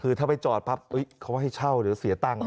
คือถ้าไปจอดปั๊บเขาให้เช่าเดี๋ยวเสียตังค์